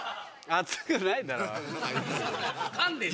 熱くないだろ。